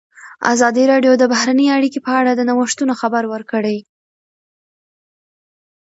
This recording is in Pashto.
ازادي راډیو د بهرنۍ اړیکې په اړه د نوښتونو خبر ورکړی.